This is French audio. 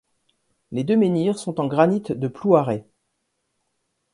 Les deux menhirs sont en granite de Plouaret.